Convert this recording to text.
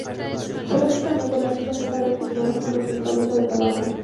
Geológicamente, las islas están relacionadas con la principal isla de Palawan.